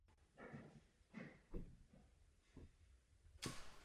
Ke kostelu vede mohutné kamenné schodiště.